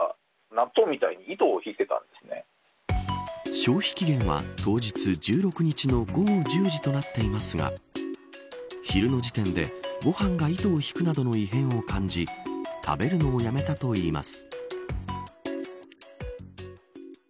消費期限は当日１６日の午後１０時となっていますが昼の時点でご飯が糸を引くなどの異変を感じ食べるのをやめたといいます。